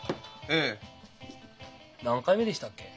ええ。何回目でしたっけ？